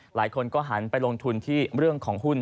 หลายคนก็หันไปลงทุนที่เรื่องของหุ้น